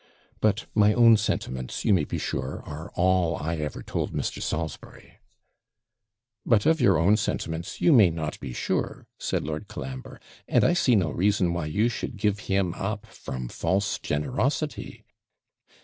But my own sentiments, you may be sure, are all I ever told Mr. Salisbury.' 'But of your own sentiments you may not be sure,' said Lord Colambre; 'and I see no reason why you should give him up from false generosity.'